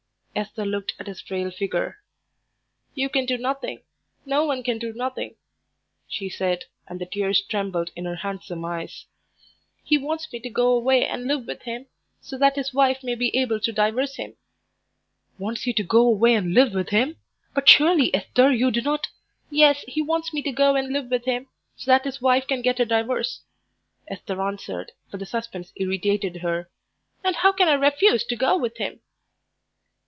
Esther looked at his frail figure. "You can do nothing; no one can do nothing," she said, and the tears trembled in her handsome eyes. "He wants me to go away and live with him, so that his wife may be able to divorce him." "Wants you to go away and live with him! But surely, Esther, you do not " "Yes, he wants me to go and live with him, so that his wife can get a divorce," Esther answered, for the suspense irritated her; "and how can I refuse to go with him?"